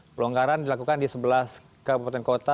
pelonggaran dilakukan di sebelas kabupaten kota